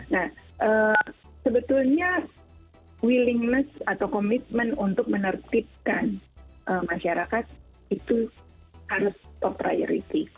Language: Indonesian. nah sebetulnya willingness atau komitmen untuk menertibkan masyarakat itu harus top priority